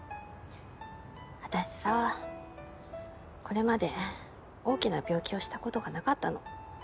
あたしさこれまで大きな病気をしたことがなかったの。